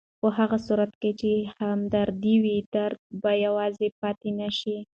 په هغه صورت کې چې همدردي وي، درد به یوازې پاتې نه شي.